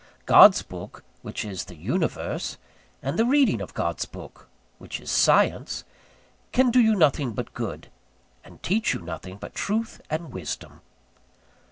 God's Book, which is the Universe, and the reading of God's Book, which is Science, can do you nothing but good, and teach you nothing but truth and wisdom.